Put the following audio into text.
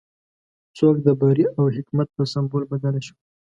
څوکه د بري او حکمت په سمبول بدله شوه.